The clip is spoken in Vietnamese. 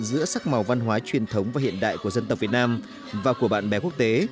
giữa sắc màu văn hóa truyền thống và hiện đại của dân tộc việt nam và của bạn bè quốc tế